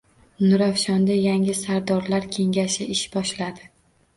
Nurafshonda yangi sardorlar kengashi ish boshladi